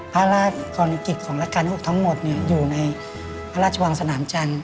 พระราชกรณีกิจของราชการที่๖ทั้งหมดอยู่ในพระราชวังสนามจันทร์